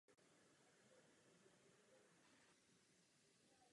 Mnozí z nás o to usilovali již velmi dlouho.